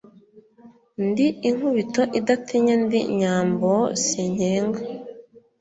Ndi inkubito idatinya ndi nyambo sinkenga